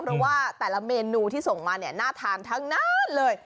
เพราะว่าแต่ละเมนูที่ส่งมาเนี่ยน่าทานทั้งนั้นเลย